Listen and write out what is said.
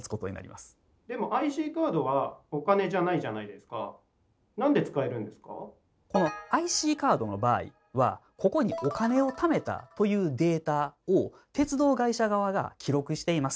ですからこのＩＣカードの場合はここに「お金をためた」というデータを鉄道会社側が記録しています。